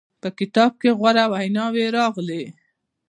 په کتاب کې غوره ویناوې راغلې.